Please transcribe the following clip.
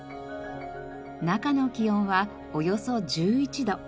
中の気温はおよそ１１度。